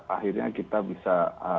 akhirnya kita bisa